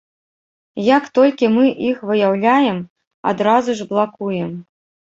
Як толькі мы іх выяўляем, адразу ж блакуем.